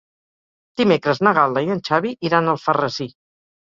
Dimecres na Gal·la i en Xavi iran a Alfarrasí.